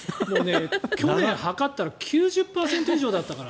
去年、測ったら９０％以上だったから。